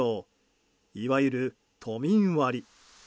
いわゆる都民割。